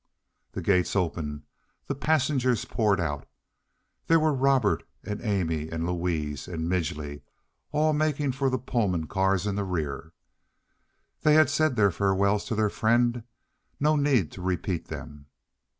The gates opened, the passengers poured out. There were Robert, and Amy, and Louise, and Midgely—all making for the Pullman cars in the rear. They had said their farewells to their friends. No need to repeat them.